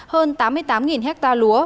hơn tám mươi tám hecta lúa